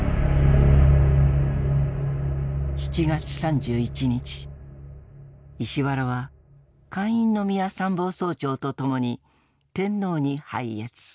７月３１日石原は閑院宮参謀総長と共に天皇に拝謁。